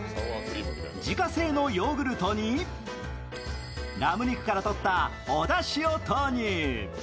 自家製のヨーグルトにラム肉からとったおだしを投入。